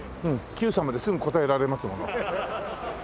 『Ｑさま！！』ですぐ答えられますもの。